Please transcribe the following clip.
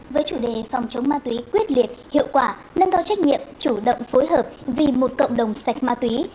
với chủ đề phòng chống ma túy quyết liệt hiệu quả nâng cao trách nhiệm chủ động phối hợp vì một cộng đồng sạch ma túy